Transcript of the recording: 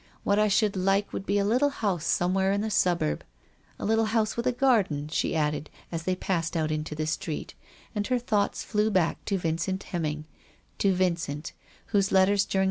What I should like would be a little house somewhere in a suburb. A little house with a garden," she added, as they passed out into the street, and her thoughts flew back to Vincent Hemming.